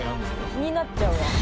気になっちゃうわ。